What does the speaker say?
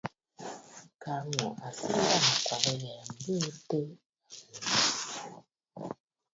Kaa ŋù à sɨ a ndanɨ̀kwabə̀ ghɛ̀ɛ̀ m̀bɨɨ tɨ ànnù.